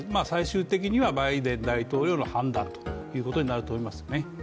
最終的にはバイデン大統領の判断ということになると思いますね。